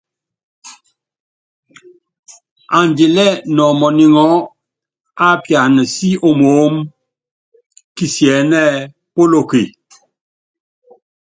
Andilɛ́ nɔmɔniŋɔɔ́ ápiana síomoómú, kisiɛ́nɛ́ polóke.